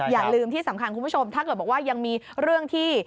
อย่าลืมที่สำคัญคุณผู้ชมถ้าเกิดบอกว่ายังมีเรื่องที่